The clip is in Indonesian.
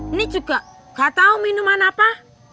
ini juga nggak tau minuman apa